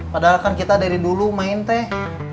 padahal kan kita dari dulu main teh